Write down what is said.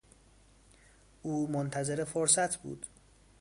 او منتظر فرصت بود.